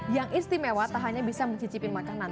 yang istimewa tak hanya bisa mencicipi makanan